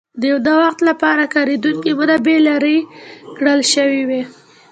د نوښت لپاره کارېدونکې منابع لرې کړل شوې وای.